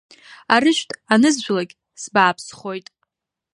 Арыжәтә анызжәлакь сбааԥсхоит!